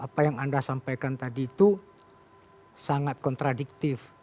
apa yang anda sampaikan tadi itu sangat kontradiktif